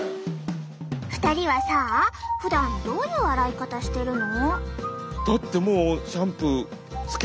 ２人はさふだんどういう洗い方してるの？